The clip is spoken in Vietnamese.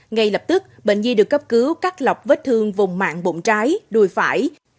ngay lập tức bệnh nhi được cấp cứu cắt lọc vết thương vùng mạng bụng trái đùi phải